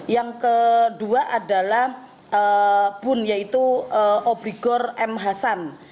yang kedua adalah bun yaitu obligor m hasan